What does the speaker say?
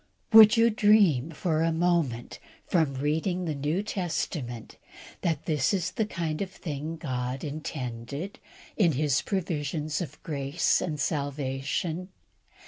Would you dream for a moment from reading the New Testament that this was the kind of thing God intended in His provisions of grace and salvation?